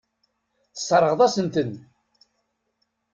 Tesseṛɣeḍ-asent-ten.